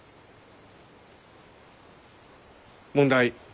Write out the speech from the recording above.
問題。